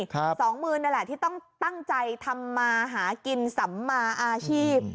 สองหมื่นนั่นแหละที่ต้องตั้งใจทำมาหากินสัมมาอาชีพ